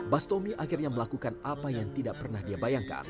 bastomi akhirnya melakukan apa yang tidak pernah dia bayangkan